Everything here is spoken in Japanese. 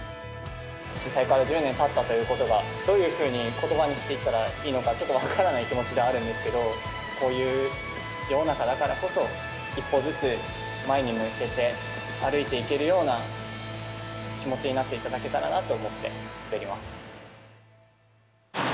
震災から１０年たったということが、どういうふうにことばにしていったらいいのか、ちょっと分からない気持ちではあるんですけど、こういう世の中だからこそ、一歩ずつ前に向いて歩いていけるような気持ちになっていただけたらなと思って滑ります。